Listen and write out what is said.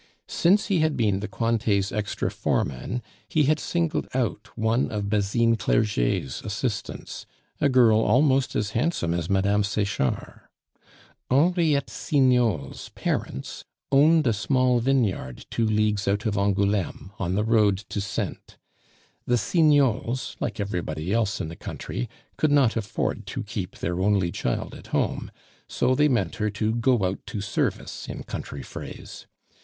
Since he had been the Cointet's extra foreman, he had singled out one of Basine Clerget's assistants, a girl almost as handsome as Mme. Sechard. Henriette Signol's parents owned a small vineyard two leagues out of Angouleme, on the road to Saintes. The Signols, like everybody else in the country, could not afford to keep their only child at home; so they meant her to go out to service, in country phrase.